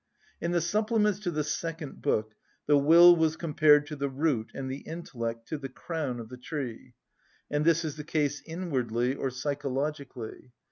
In the supplements to the second book the will was compared to the root and the intellect to the crown of the tree; and this is the case inwardly or psychologically.